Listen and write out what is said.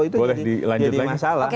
itu jadi masalah